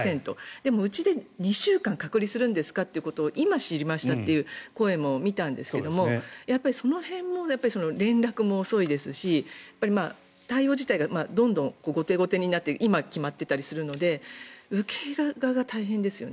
でも、うちで２週間隔離するんですかということを今、知りましたという声も見たんですが、その辺も連絡も遅いですし、対応自体がどんどん後手後手になって今、決まっていたりするので受け入れ側が大変ですよね。